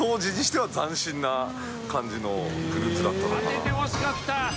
当ててほしかった！